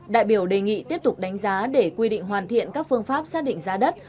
đại biểu đề nghị tiếp tục đánh giá để quy định hoàn thiện các phương pháp xác định giá đất